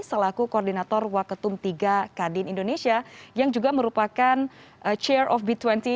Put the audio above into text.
selaku koordinator waketum iii kadin indonesia yang juga merupakan chair of b dua puluh dua ribu dua puluh dua